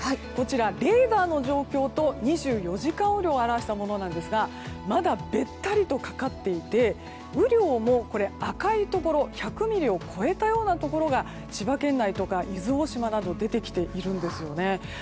こちら、レーダーの状況と２４時間雨量を表したものですがまだべったりとかかっていて、雨量も赤いところ１００ミリを超えたようなところが千葉県内や伊豆大島などで出てきているんですね。